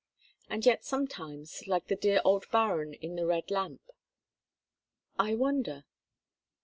And yet sometimes, like the dear old Baron in the "Red Lamp," "I wonder?"